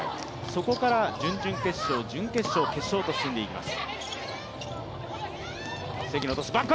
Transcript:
そこから準々決勝、準決勝、決勝と進んでいきます。